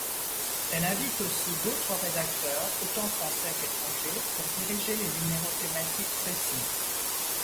Elle invite aussi d'autres rédacteurs, autant français qu'étrangers, pour diriger les numéros thématiques précis.